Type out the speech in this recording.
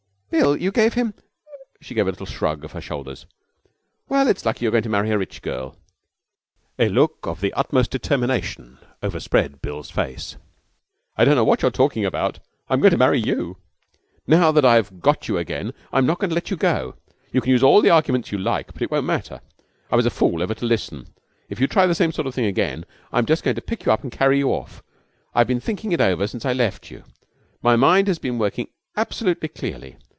'Bill! You gave him ' She gave a little shrug of her shoulders. 'Well, it's lucky you're going to marry a rich girl.' A look of the utmost determination overspread Bill's face. 'I don't know what you're talking about. I'm going to marry you. Now that I've got you again I'm not going to let you go. You can use all the arguments you like, but it won't matter. I was a fool ever to listen. If you try the same sort of thing again I'm just going to pick you up and carry you off. I've been thinking it over since I left you. My mind has been working absolutely clearly.